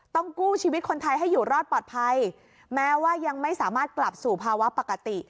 ต้องกู้ชีวิตคนไทยให้อยู่รอดปลอดภัยแม้ว่ายังไม่สามารถกลับสู่ภาวะปกติ